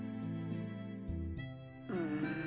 うん。